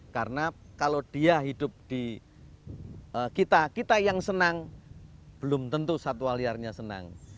karena kalau dia hidup di kita kita yang senang belum tentu satwa liarnya senang